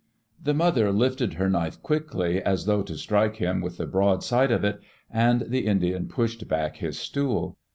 The mother lifted her knife quickly, as though to strike him with the broad side of it, and the Indian pushed back his stool.